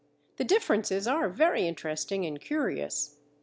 The differences are very interesting and curious.